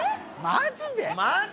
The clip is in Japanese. ・マジで？